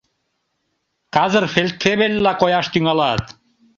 Казыр фельдфебельла кояш тӱҥалат.